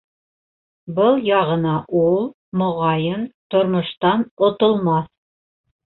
Был яғына ул, моғайын, тормоштан отолмаҫ.